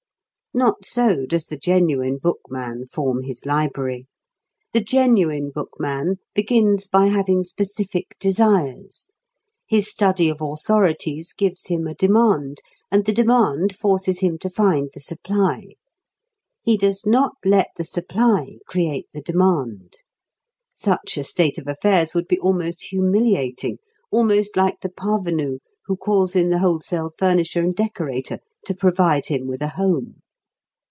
Not so does the genuine bookman form his library. The genuine bookman begins by having specific desires. His study of authorities gives him a demand, and the demand forces him to find the supply. He does not let the supply create the demand. Such a state of affairs would be almost humiliating, almost like the parvenu who calls in the wholesale furnisher and decorator to provide him with a home.